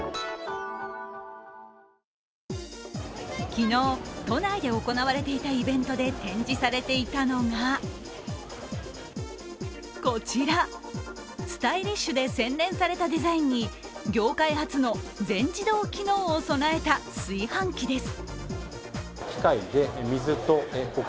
昨日、都内で行われていたイベントで展示されていたのがこちら、スタイリッシュで洗練されたデザインに、業界初の全自動機能を備えた炊飯器です。